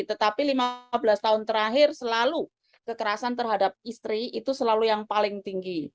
tetapi lima belas tahun terakhir selalu kekerasan terhadap istri itu selalu yang paling tinggi